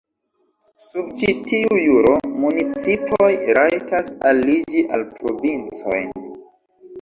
Sub ĉi tiu juro, municipoj rajtas aliĝi al provincoj.